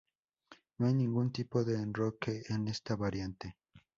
No hay ningún tipo de enroque en esta variante.